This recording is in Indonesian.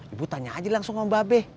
ibu tanya aja langsung sama mbak be